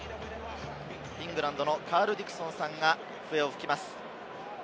イングランドのカール・ディクソンさんが笛を吹きます。